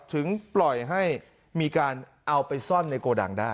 ถึงปล่อยให้มีการเอาไปซ่อนในโกดังได้